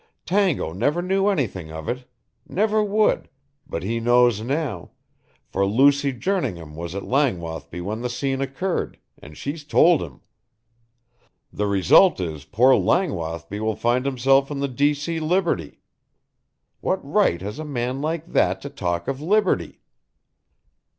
Tango never knew anything of it. Never would, but he knows now, for Lucy Jerningham was at Langwathby when the scene occurred and she's told him. The result is poor Langwathby will find himself in the D. C. Liberty! What right has a man like that to talk of liberty?"